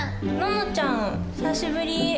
野乃ちゃん久しぶり。